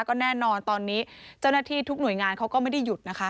ก็แน่นอนตอนนี้เจ้าหน้าที่ทุกหน่วยงานเขาก็ไม่ได้หยุดนะคะ